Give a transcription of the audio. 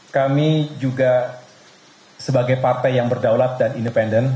kami juga sebagai partai yang berdaulat dan independen